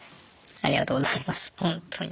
ありがとうございますほんとに。